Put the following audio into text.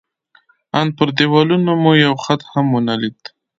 ان پر دېوالونو مو یو خط هم ونه لید.